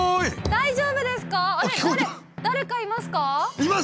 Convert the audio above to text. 大丈夫ですか？